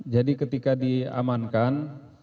jadi ketika diamankan